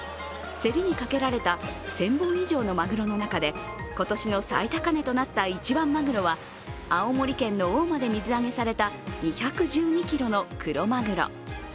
競りにかけられた１０００本以上のまぐろの中で今年の最高値となった一番まぐろは青森県の大間で水揚げされた２１２ｋｇのクロマグロ。